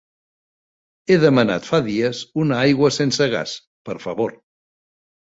He demanat fa dies una aigua sense gas, per favor.